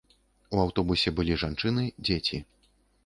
У аўтобусе былі жанчыны, дзеці.